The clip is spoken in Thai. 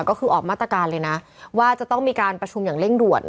ก็คือออกมาตรการเลยนะว่าจะต้องมีการประชุมอย่างเร่งด่วน